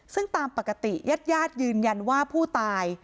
ซึ่งตามปกติยัดยืนยันว่าผู้ตาย